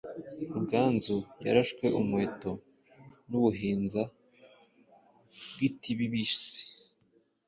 Ruganzu yarashwe umuheto n’umuhinza Bitibibisi